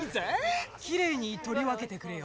きれいにとり分けてくれよ。